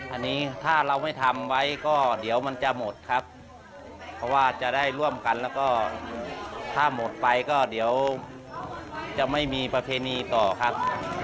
อันนี้ถ้าเราไม่ทำไว้ก็เดี๋ยวมันจะหมดครับเพราะว่าจะได้ร่วมกันแล้วก็ถ้าหมดไปก็เดี๋ยวจะไม่มีประเพณีต่อครับ